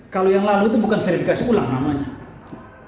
kalau yang lalu itu bukan verifikasi ulang namanya